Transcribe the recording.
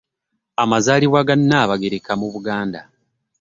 Amazaalibwa ga Nnabagereka mu Buganda.